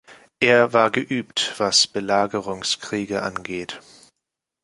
Er war geübt, was Belagerungskriege angeht.